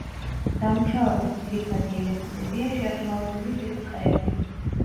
დამუშავების ძირითადი ელემენტებია შეღრმავებული სიბრტყეები.